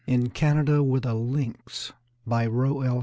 IN CANADA WITH A LYNX By Roe L.